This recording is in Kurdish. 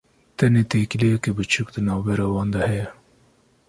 tenê têkiliyeke biçûk di navbera wan de heye.